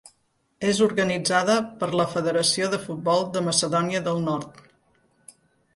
És organitzada per la Federació de Futbol de Macedònia del Nord.